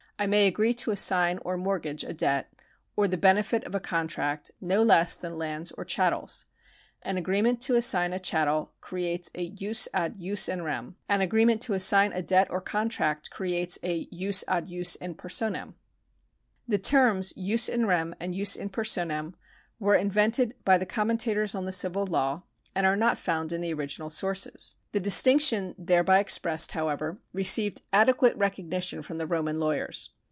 I may agree to assign or mortgage a debt, or the benefit of a contract, no less than lands or chattels. An agreement to assign a chattel creates a, jus ad jus in rem ; an agreement to assign a debt or a contract creates dbjus ad jus in personam} The terms jus in rem and jus in personam were invented by the com mentators on the civil law, and are not found in the original sources. The distinction thereby expressed, however, received adequate recognition from the Roman lawyers.